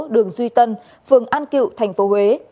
đường duy tân phường an cựu thành phố huế